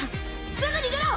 すぐ逃げろ！